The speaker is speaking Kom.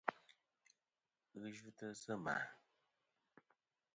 Ghi yvɨtɨ sɨ ma.